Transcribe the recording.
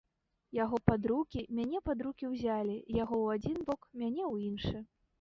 Яго пад рукі, мяне пад рукі ўзялі, яго ў адзін бок, мяне ў іншы.